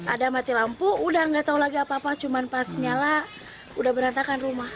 ada mati lampu udah nggak tahu lagi apa apa cuman pas nyala udah berantakan rumah